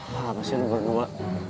makasih ya lu berdua